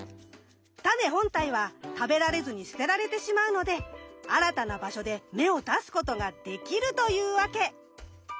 タネ本体は食べられずに捨てられてしまうので新たな場所で芽を出すことができるというわけ。